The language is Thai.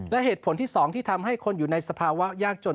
และเหตุผลที่๒ที่ทำให้คนอยู่ในสภาวะยากจน